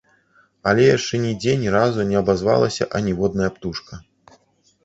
Але яшчэ нідзе ні разу не абазвалася аніводная птушка.